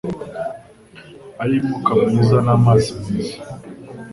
ariyo umwuka mwiza n’amazi meza,